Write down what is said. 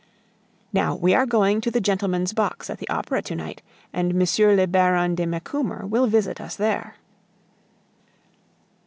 "Now, we are going to the gentleman's box at the Opera to night, and M. le Baron de Macumer will visit us there."